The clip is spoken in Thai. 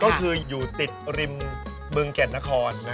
ก็คืออยู่ติดริมเมืองแก่นนะครนะครับ